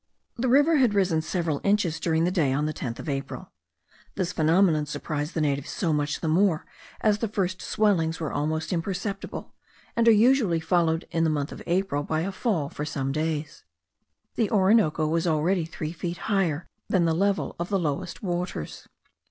The river had risen several inches during the day on the 10th of April; this phenomenon surprised the natives so much the more, as the first swellings are almost imperceptible, and are usually followed in the month of April by a fall for some days. The Orinoco was already three feet higher than the level of the lowest waters.